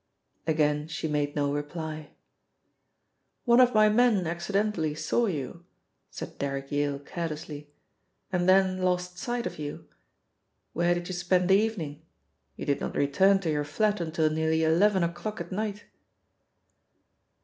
Again she made no reply. "One of my men accidentally saw you," said Derrick Yale carelessly, "and then lost sight of you. Where did you spend the evening you did not return to your flat until nearly eleven o'clock at night."